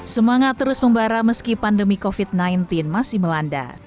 semangat terus membara meski pandemi covid sembilan belas masih melanda